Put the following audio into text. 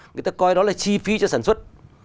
người ta coi đó là chi phí cho sản xuất